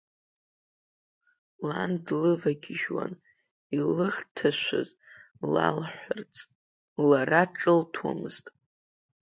Лан длывагьежьуан, илыхҭашәаз лалҳәарц, лара ҿылҭуамызт.